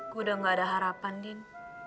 gue udah gak ada harapan din